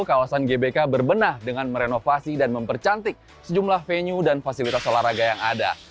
kawasan gbk berbenah dengan merenovasi dan mempercantik sejumlah venue dan fasilitas olahraga yang ada